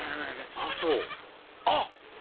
あそうあっ！